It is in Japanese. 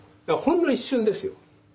ほんの一瞬ですよ。